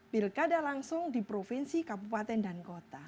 pilkada langsung di provinsi kabupaten dan kota